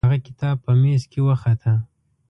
هغه کتاب په میز کې وخته.